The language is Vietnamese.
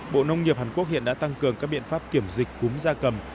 bộ nông nghiệp hàn quốc hiện đã tăng cường các biện pháp kiểm dịch cúm da cầm